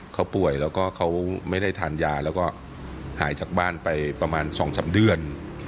เขาป่วยแล้วก็เขาไม่ได้ทานยาแล้วก็หายจากบ้านไปประมาณ๒๓เดือน